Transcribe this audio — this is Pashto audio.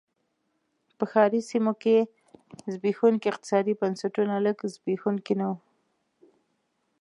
په ښاري سیمو کې زبېښونکي اقتصادي بنسټونه لږ زبېښونکي نه و.